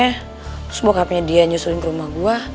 terus bokapnya dia nyusulin ke rumah gue